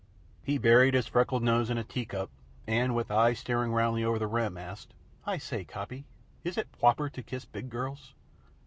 He buried his freckled nose in a tea cup and, with eyes staring roundly over the rim, asked: "I say, Coppy, is it pwoper to kiss big girls?"